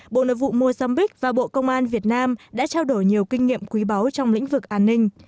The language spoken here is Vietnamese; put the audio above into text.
bộ nội vụ mozambiq và bộ công an việt nam đã trao đổi nhiều kinh nghiệm quý báu trong lĩnh vực an ninh